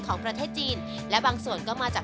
ของประเทศจีนและบางส่วนก็มาจาก